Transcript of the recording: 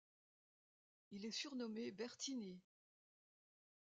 Il est surnommé Bertini.